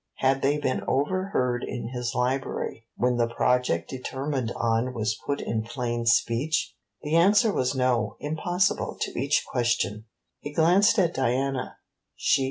Had they been overheard in his library when the project determined on was put in plain speech? The answer was no, impossible, to each question. He glanced at Diana.